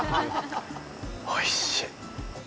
おいしい。